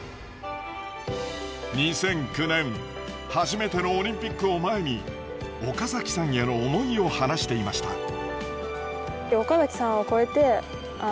２００９年初めてのオリンピックを前に岡崎さんへの思いを話していました。